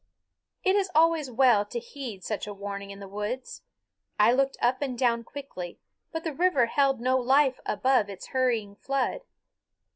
It is always well to heed such a warning in the woods. I looked up and down quickly; but the river held no life above its hurrying flood.